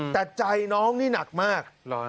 แต่ใจน้องนี่หนักมาก